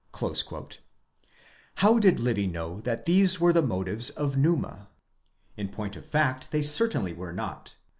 ® How did Livy know that these were the motives of Numa? In point of fact they certainly were not.